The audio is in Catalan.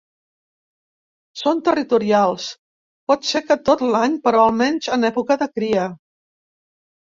Són territorials, pot ser que tot l'any, però almenys en època de cria.